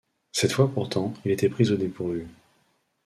Cette fois pourtant il était pris au dépourvu.